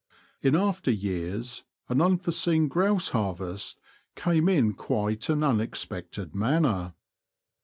In after years an unforseen grouse harvest came in quite an unexpected manner.